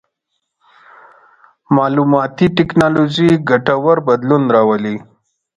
مالوماتي ټکنالوژي ګټور بدلون راولي.